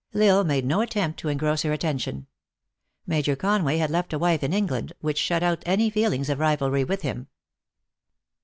L Isle made no attempt to engross her atten tion. Major Conway had left a wife in England, which shut out any feelings of rivalry with him.